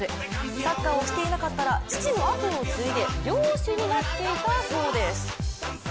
サッカーをしていなかったら父の跡を継いで漁師になっていたそうです。